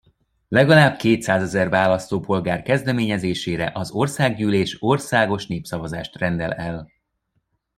Legalább kétszázezer választópolgár kezdeményezésére az Országgyűlés országos népszavazást rendel el.